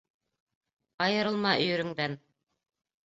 Айырылма өйөрөңдән: